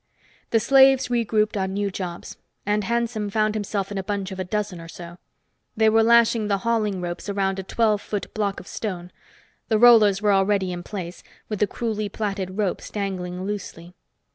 The slaves regrouped on new jobs, and Hanson found himself in a bunch of a dozen or so. They were lashing the hauling ropes around a twelve foot block of stone; the rollers were already in place, with the crudely plaited ropes dangling loosely.